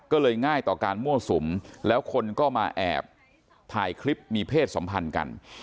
ก็เลยง่ายต่อการมั่วสุมแล้วคนก็มาแอบถ่ายคลิปมีเพศสัมพันธ์กัน